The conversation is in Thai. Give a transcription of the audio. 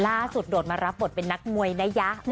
โดดมารับบทเป็นนักมวยนะยะ